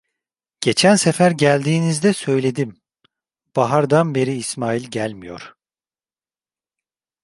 Geçen sefer geldiğinizde söyledim: Bahardan beri İsmail gelmiyor.